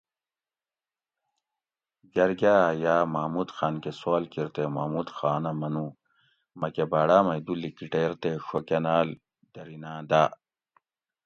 "جرگاۤ یاۤ محمود خاۤن کہ سوال کیر تے محمود خانہ منو ""مکہ باۤڑاۤ مئی دو لِکیٹیر تے ڛو کۤناۤل دھریناۤں داۤ"""